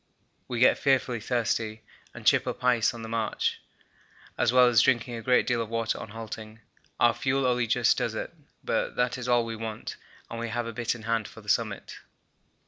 We get fearfully thirsty and chip up ice on the march, as well as drinking a great deal of water on halting. Our fuel only just does it, but that is all we want, and we have a bit in hand for the summit.